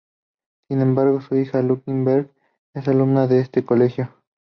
Sin embargo su hija, Lucy Berk, es alumna de este colegio.